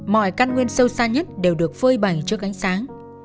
mọi căn nguyên sâu xa nhất đều được phơi bầy trước ánh sáng